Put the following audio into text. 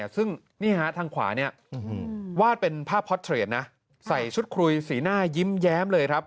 ซึ่งนี่ฮะทางขวาเนี่ยวาดเป็นภาพฮอตเทรดนะใส่ชุดคุยสีหน้ายิ้มแย้มเลยครับ